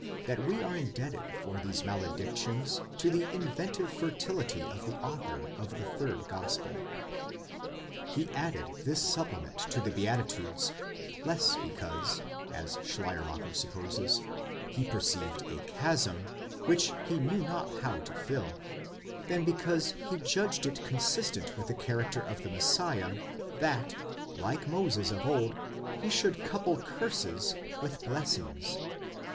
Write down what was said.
* that we are indebted for these maledictions to the inventive fertility of the author of the third gospel. He added this supplement to the beatitudes, less because, as Schleiermacher supposes, he perceived a chasm, which he knew not how to fill, than because he judged it consistent with the character of the Messiah, that, like Moses of old, he should couple curses with blessings.